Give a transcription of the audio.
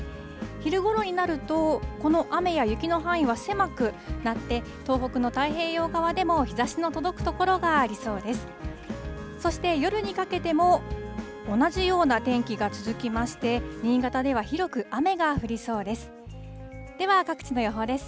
昼ごろになると、この雨や雪の範囲は狭くなって、東北の太平洋側でも日ざしの届く所がありそうです。